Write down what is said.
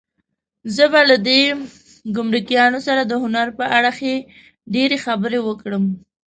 زه به له دې ګمرکیانو سره د هنر په اړه ښې ډېرې خبرې وکړم.